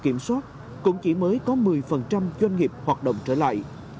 kiểm soát cũng chỉ mới có một mươi doanh nghiệp hoạt động trở lại